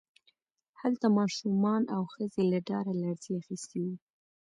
هلته ماشومان او ښځې له ډاره لړزې اخیستي وو